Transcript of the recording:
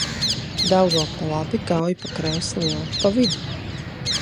Daugava pa labi, Gauja pa kreisi, Lielupe pa vidu.